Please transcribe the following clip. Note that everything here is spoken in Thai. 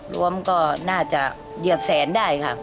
รวมก็น่าจะเหยียบแสนได้ค่ะ